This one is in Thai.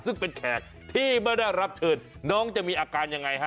ซึ่งเป็นแขกที่ไม่ได้รับเชิญน้องจะมีอาการยังไงฮะ